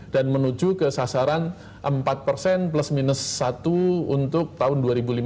dan menuju ke sasaran empat plus minus satu untuk tahun dua ribu lima belas